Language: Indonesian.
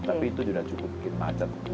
tapi itu juga cukup bikin macet